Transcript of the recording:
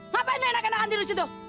ngapain enak enakan dirus itu